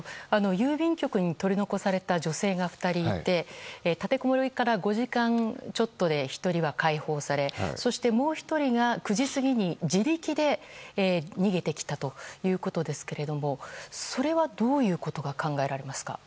郵便局に取り残された女性が２人いて立てこもりから５時間ちょっとで１人は解放されそしてもう１人が９時過ぎに自力で逃げてきたということですがそれは、どういうことが考えられますか？